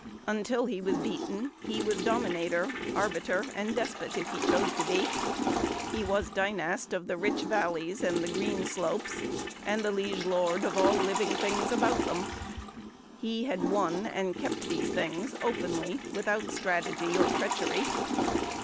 Until he was beaten he was dominator, arbiter, and despot, if he chose to be. He was dynast of the rich valleys and the green slopes, and liege lord of all living things about him. He had won and kept these things openly, without strategy or treachery.